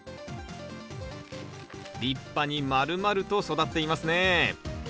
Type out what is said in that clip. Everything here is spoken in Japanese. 立派にまるまると育っていますね